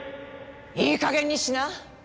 いいかげんにしな。